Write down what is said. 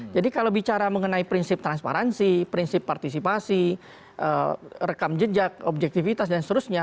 jadi kalau bicara mengenai prinsip transparansi prinsip partisipasi rekam jejak objektivitas dan seterusnya